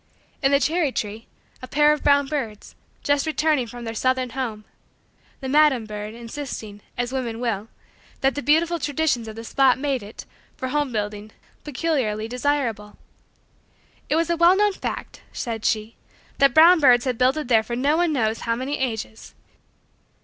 In the cherry tree, a pair of brown birds, just returning from their southern home, were discussing the merits of the nearby hedge as a building site: the madam bird insisting, as women will, that the beautiful traditions of the spot made it, for home building, peculiarly desirable. It was a well known fact, said she, that brown birds had builded there for no one knows how many ages.